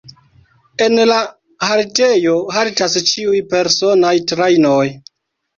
En la haltejo haltas ĉiuj personaj trajnoj.